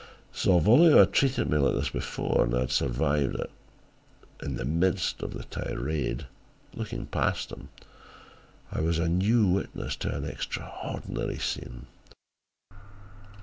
Salvolio had treated me like this before and I had survived it. In the midst of the tirade, looking past him, I was a new witness to an extraordinary scene.